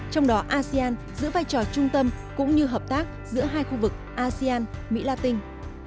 trong đó asean giữ vai trò trung tâm cũng như hợp tác giữa hai khu vực asean mỹ la tinh